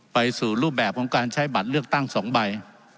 ไปสู่รูปแบบของการใช้บัตรเลือกตั้ง๒ใบ